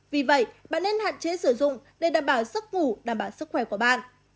vì vậy bạn nên hạn chế sử dụng để đảm bảo sức vụ đảm bảo sức khỏe của bạn